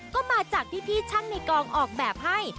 ก็มาจากพี่ช่างในกองออกแบบให้